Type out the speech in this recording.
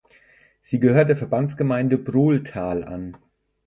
Sie gehört der Verbandsgemeinde Brohltal an.